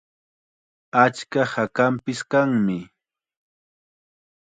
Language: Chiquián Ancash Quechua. Achka hakanpis kanmi.